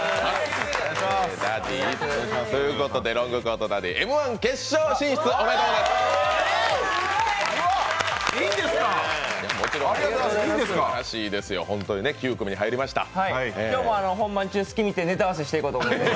ということでロングコートダディ、Ｍ−１決勝進出おめでとうございます。